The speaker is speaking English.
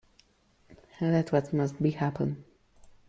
Let what must be, happen.